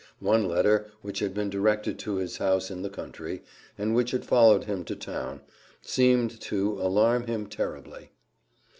One letter, which had been directed to his house in the country, and which had followed him to town, seemed to, alarm him terribly.